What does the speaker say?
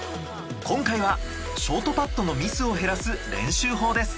今回はショートパットのミスを減らす練習法です。